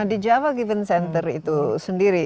di java given center itu sendiri